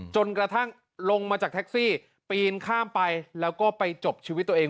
จนกระทั่งลงมาจากแท็กซี่ปีนข้ามไปแล้วก็ไปจบชีวิตตัวเอง